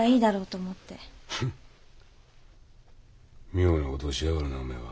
妙な事をしやがるなお前は。